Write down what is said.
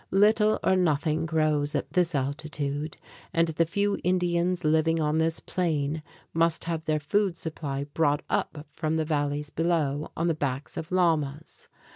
Little or nothing grows at this altitude, and the few Indians living on this plain must have their food supply brought up from the valleys below on the backs of llamas.